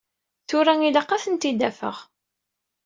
Tura ilaq ad ten-id-afeɣ.